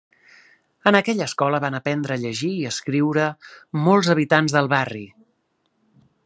En aquella escola van aprendre a llegir i escriure molts habitants del barri.